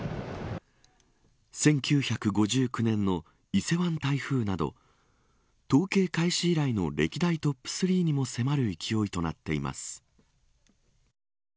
１９５９年の伊勢湾台風など統計開始以来の歴代トップ３にも迫る勢いとなっています。